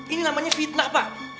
ini namanya fitnah pak